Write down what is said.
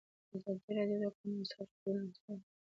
ازادي راډیو د د کانونو استخراج بدلونونه څارلي.